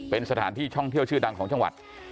เป็นสถานที่ท่องเที่ยวชื่อดังของจังหวัด